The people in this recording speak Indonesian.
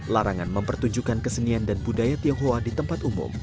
larangan mempertunjukkan kesenian dan budaya tionghoa di tempat umum